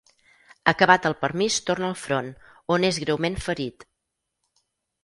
Acabat el permís torna al front, on és greument ferit.